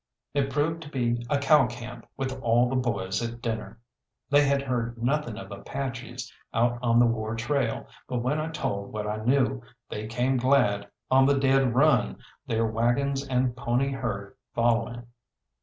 It proved to be a cow camp with all the boys at dinner. They had heard nothing of Apaches out on the war trail, but when I told what I knew, they came glad, on the dead run, their waggons and pony herd following.